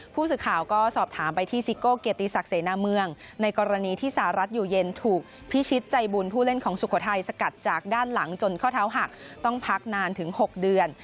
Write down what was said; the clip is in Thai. ผู้สื่อข่าวก็สอบถามไปที่ซิโก้เกียรติศักดิ์เสนาเมืองในกรณีที่สหรัฐอยู่เย็นถูกพิชิตใจบุญผู้เล่นของสุโขทัยสกัดจากด้านหลังจนข้อเท้าหักต้องพักนานถึง๖เดือน